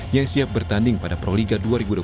yang siap bertanding pada proliga dua ribu dua puluh